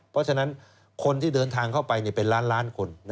เพราะฉะนั้นคนที่เดินทางเข้าไปเป็นล้านล้านคน